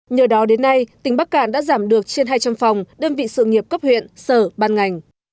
nhờ đó đến nay tỉnh bắc cạn đã giảm được trên hai trăm linh phòng đơn vị sự nghiệp cấp huyện sở ban ngành